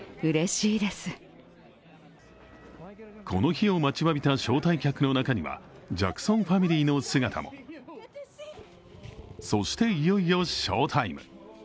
この日を待ちわびた招待客の中には、ジャクソンファミリーの姿もそしていよいよショータイム。